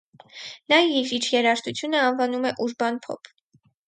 Նա իր երաժշտությունը անվանում է «ուրբան փոփ»։